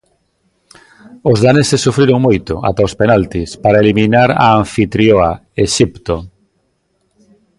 Os daneses sufriron moito, ata os penaltis, para eliminar a anfitrioa, Exipto.